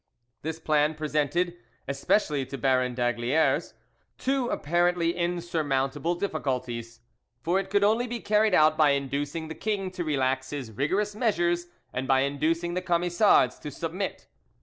This plan presented, especially to Baron d'Aygaliers, two apparently insurmountable difficulties, for it could only be carried out by inducing the king to relax his rigorous measures and by inducing the Camisards to submit.